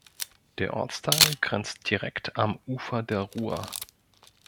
Der Ortsteil grenzt direkt am Ufer der Ruhr.